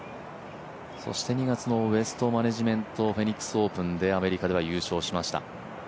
そして２月のウエストマネジメントフェニックスでアメリカでは優勝しました。